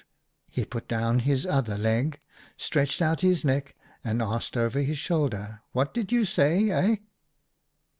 He put down his other leg, stretched out his neck, and asked over his shoulder, * What did you say, eh